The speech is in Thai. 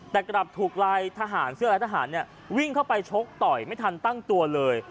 แต่กลับถูกลายทหารเสื้อลายทหารวิ่งเข้าไปชกต่อยไม่ทันตั้งตัวเลย